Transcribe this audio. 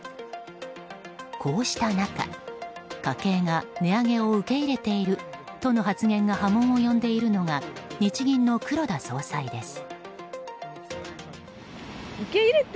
こうした中、家計が値上げを受け入れているとの発言が波紋を呼んでいるのが日銀の黒田総裁です。